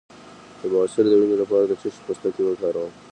د بواسیر د وینې لپاره د څه شي پوستکی وکاروم؟